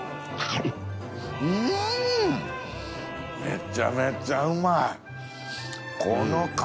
めちゃめちゃうまい。